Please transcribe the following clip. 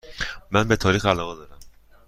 من به تاریخ علاقه دارم.